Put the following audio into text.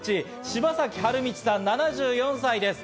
柴崎春通さん、７４歳です。